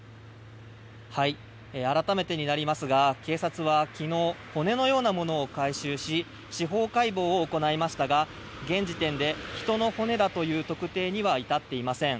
改めてになりますが警察は昨日骨のようなものを回収し司法解剖を行いましたが現時点で人の骨だという特定には至っていません。